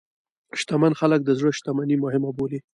شتمن خلک د زړه شتمني مهمه بولي.